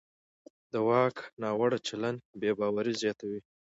د واک ناوړه چلند بې باوري زیاتوي